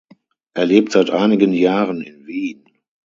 Er lebt seit einigen Jahren in Wien.